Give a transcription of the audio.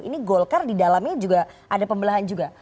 ini golkar di dalamnya juga ada pembelahan juga